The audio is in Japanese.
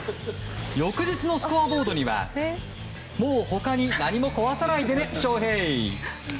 翌日のスコアボードには「もう他に何も壊さないでねショウヘイ」。